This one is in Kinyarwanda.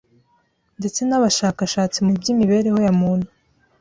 ndetse n’abashakashatsi mu by’imibereho ya muntu,